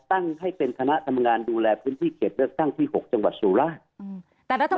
ตั้งให้เป็นคณะทำงานดูแลพื้นที่เขตเลือกตั้งที่๖จังหวัดสุราช